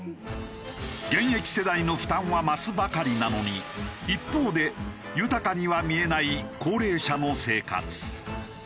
現役世代の負担は増すばかりなのに一方で豊かには見えない高齢者の生活。